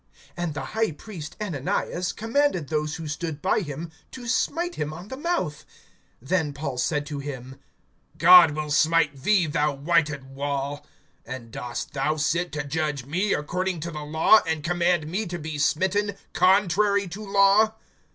(2)And the high priest Ananias commanded those who stood by him to smite him on the mouth. (3)Then Paul said to him: God will smite thee, thou whited wall. And dost thou sit to judge me according to the law, and command me to be smitten contrary to law?